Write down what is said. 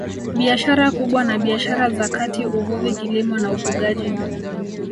Biashara kubwa na biashara za kati Uvuvi Kilimo na Ufugaji